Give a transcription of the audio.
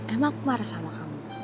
emang aku marah sama kamu